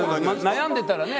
悩んでたらね。